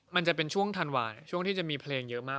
มันจะเป็นช่วงธันวาลช่วงที่จะมีเพลงเยอะมาก